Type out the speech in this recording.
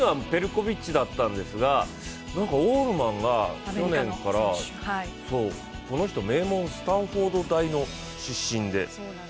強いのはペルコビッチだったんですがオールマンが去年からこの人名門スタンフォード大の出身で。